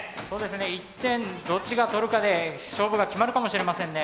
１点どっちが取るかで勝負が決まるかもしれませんね。